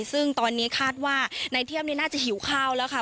ซึ่งตอนนี้คาดว่านายเทียมนี่น่าจะหิวข้าวแล้วค่ะ